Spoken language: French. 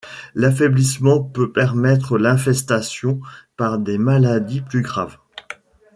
L'affaiblissement peut permettre l'infestation par des maladies plus graves.